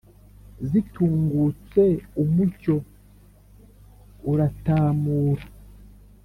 zitungutse umucyo uratamura